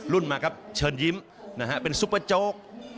มาครับเชิญยิ้มนะฮะเป็นซุปเปอร์โจ๊ก